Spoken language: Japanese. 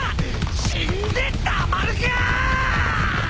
死んでたまるかぁ！